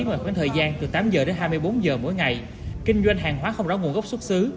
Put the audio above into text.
ngoài khoảng thời gian từ tám giờ đến hai mươi bốn giờ mỗi ngày kinh doanh hàng hóa không rõ nguồn gốc xuất xứ